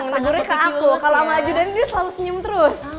ngagurin ke aku kalau sama ajudan dia selalu senyum terus